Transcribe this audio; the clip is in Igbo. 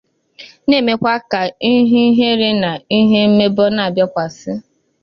na-emekwa ka ihe ihere na ihe mmebọ na-abịakwasị